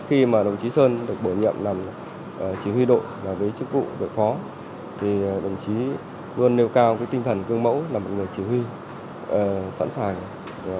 khi mà đồng chí sơn được bổ nhiệm làm chỉ huy đội và với chức vụ đội phó thì đồng chí luôn nêu cao cái tinh thần cương mẫu là một người chỉ huy sẵn sàng